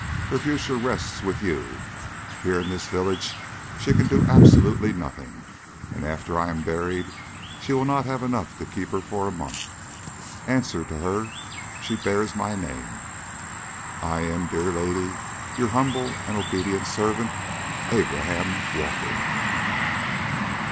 Her future rests with you. Here in this village she can do absolutely nothing, and after I am buried she will not have enough to keep her for a month. Answer to her she bears my name." I am, dear lady, Your humble and obd't servant, ABRAHAM WALKER.